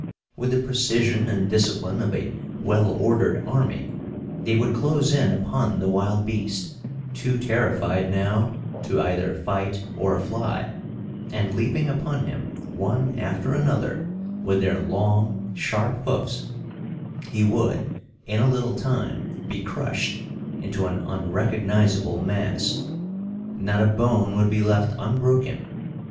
With the precision and discipline of a well ordered army, they would close in upon the wild beast, too terrified now to either fight or fly, and, leaping upon him, one after another, with their long, sharp hoofs, he would, in a little time, be crushed into an unrecognizable mass. Not a bone would be left unbroken.